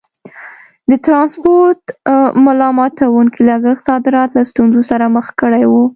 د ټرانسپورټ ملا ماتوونکي لګښت صادرات له ستونزو سره مخ کړي وو.